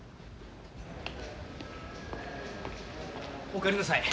お帰りなさい。